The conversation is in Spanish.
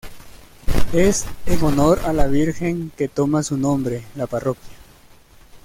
Es en honor a la virgen que toma su nombre la parroquia.